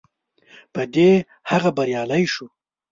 په دې هغه بریالی شو.